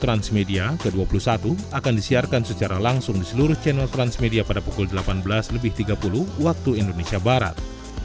transmedia ke dua puluh satu akan disiarkan secara langsung di seluruh channel transmedia pada pukul delapan belas lebih tiga puluh waktu indonesia barat